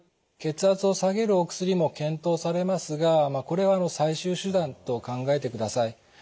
血圧を下げるお薬も検討されますがこれは最終手段と考えてください。